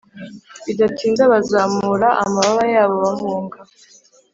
bidatinze bazamura amababa yabo bahunga,